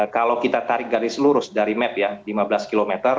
kalau kita tarik garis lurus dari map ya lima belas km